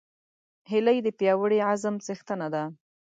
هیلۍ د پیاوړي عزم څښتنه ده